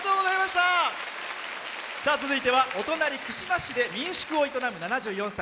続いてはお隣、串間市で民宿を営む７４歳。